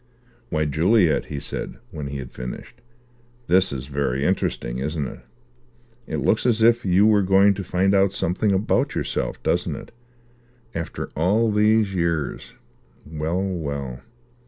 "Why, Juliet," he said, when he had finished, "this is very interesting, isn't it? It looks as if you were going to find out something about yourself, doesn't it? After all these years! Well, well."